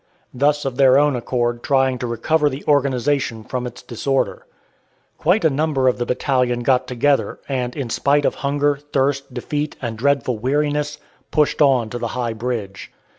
thus of their own accord trying to recover the organization from its disorder. Quite a number of the battalion got together, and in spite of hunger, thirst, defeat, and dreadful weariness, pushed on to the High Bridge.